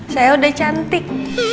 saya udah cantik